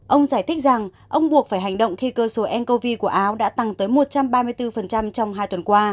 ông giải thích rằng ông buộc phải hành động khi cơ số ncov của áo đã tăng tới một trăm ba mươi bốn trong hai tuần qua